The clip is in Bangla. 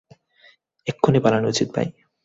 এক্ষুনি পালানো উচিৎ, ভাই।